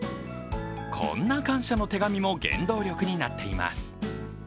こんな感謝の手紙も原動力になっています。